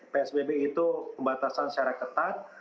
psbb itu pembatasan secara ketat